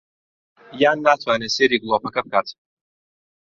یان ناتوانێ سەیری گڵۆپەکە بکات